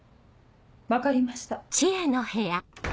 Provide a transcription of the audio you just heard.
分かりました。